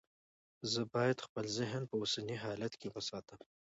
زه باید خپل ذهن په اوسني حالت کې وساتم.